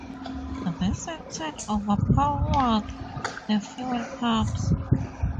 This in turn overpowered the fuel pumps.